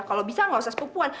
kalo bisa gak usah sepupuan